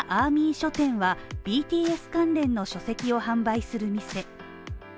ＡＲＭＹ書店はＢＴＳ関連の書籍を販売する店。